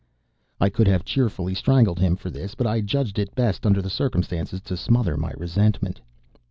I could have cheerfully strangled him for this; but judged it best under the circumstances to smother my resentment.